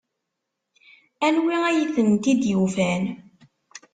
Anwi ay tent-id-yufan?